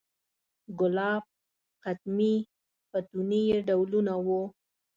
ګلاب، ختمي، فتوني یې ډولونه و.